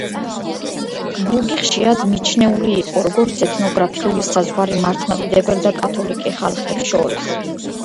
ბუგი ხშირად მიჩნეული იყო, როგორც ეთნოგრაფიული საზღვარი მართლმადიდებელ და კათოლიკე ხალხებს შორის.